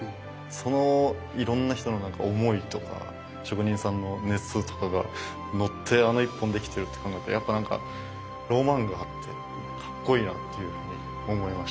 そのいろんな人の思いとか職人さんの熱とかがのってあの一本できてるって考えるとやっぱなんかロマンがあってかっこいいなというふうに思いました。